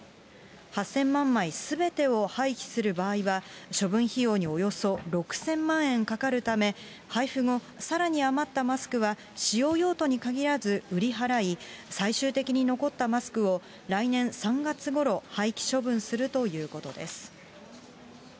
８０００万枚すべてを廃棄する場合は、処分費用におよそ６０００万円かかるため、配布後、さらに余ったマスクは、使用用途にかぎらす売り払い、最終的に残ったマスクを来年３月ごろ、廃棄処分するということです。